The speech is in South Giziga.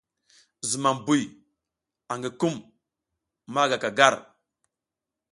Zumam buy angi kum ma gaka gar.